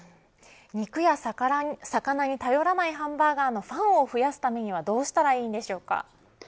肉や魚に頼らないハンバーガーのファンを増やすためにはどうしたらいいんでしょうか。